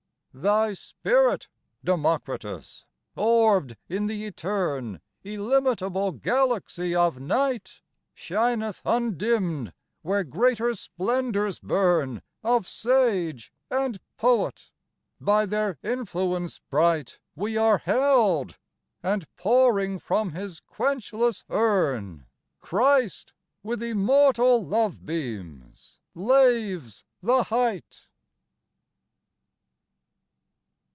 Thy spirit, Democritus, orb'd in the eterne Illimitable galaxy of night Shineth undimm'd where greater splendours burn Of sage and poet: by their influence bright We are held; and pouring from his quenchless urn Christ with immortal love beams laves the height.